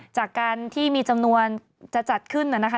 จากการที่มีจำนวนจะจัดขึ้นนะคะ